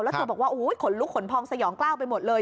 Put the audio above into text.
แล้วเธอบอกว่าขนลุกขนพองสยองกล้าวไปหมดเลย